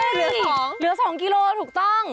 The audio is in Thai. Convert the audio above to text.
เหลือ๒เหลือ๒กิโลถูกต้อง